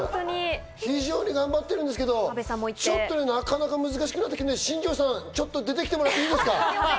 非常に頑張ってるんですけど、ちょっとね、なかなか難しくなってきて、新庄さん、出てきてもらっていいですか？